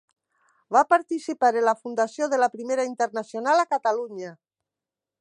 Va participar en la fundació de la Primera Internacional a Catalunya.